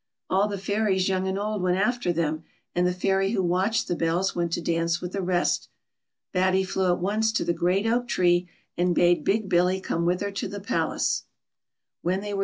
All the fairies, young and old, went after them, and the fairy who watched the bells went to dance with the rest. Batty flew at once to the great oak tree, and bade Big Billy come with her to the palace. When they were 212 BATTY.